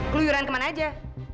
keluyuran kemana aja